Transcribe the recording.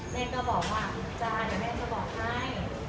แม่ก็บอกว่าจ้าเดี๋ยวแม่จะบอกให้